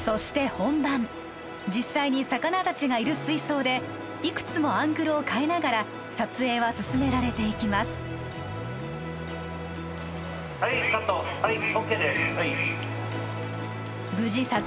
実際に魚達がいる水槽でいくつもアングルを変えながら撮影は進められていきます・